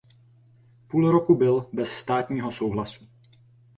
Půl roku byl bez "státního souhlasu".